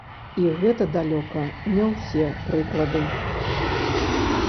І гэта далёка не ўсе прыклады.